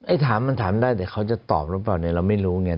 ไอ้ถามมันถามได้แต่เขาจะตอบรึเปล่าเนี่ยเราไม่รู้เนี่ย